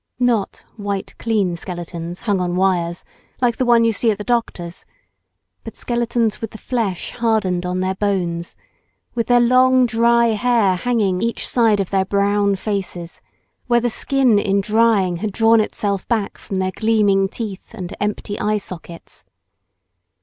Not white clean skeletons, hung on wires, like the one yon see at the doctor's, but skeletons with the flesh hardened on their bones, with their long dry hair hanging on each side of their brown faces, where the skin in drying had drawn itself back from their gleaming teeth and empty eye sockets.